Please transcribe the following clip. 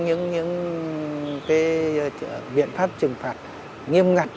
những viện pháp trừng phạt nghiêm ngặt